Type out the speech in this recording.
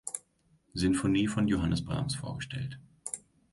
Sinfonie von Johannes Brahms vorgestellt.